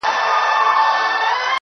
وه غنمرنگه نور لونگ سه چي په غاړه دي وړم